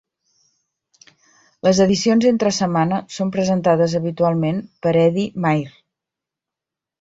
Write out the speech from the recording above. Les edicions entre setmana són presentades habitualment per Eddie Mair.